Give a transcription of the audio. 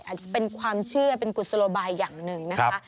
อาจจะเป็นความเชื่อเป็นกุศโลบายอย่างหนึ่งนะคะ